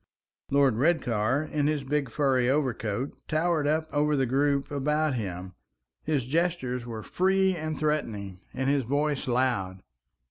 Lord Redcar, in his big furry overcoat, towered up over the group about him; his gestures were free and threatening, and his voice loud.